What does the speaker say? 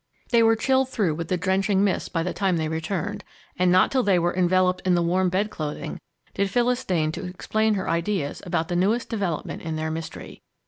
They were chilled through with the drenching mist by the time they returned, and not till they were enveloped in the warm bed clothing did Phyllis deign to explain her ideas about the newest development in their mystery.